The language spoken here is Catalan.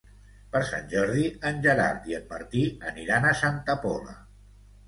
Per Sant Jordi en Gerard i en Martí aniran a Santa Pola.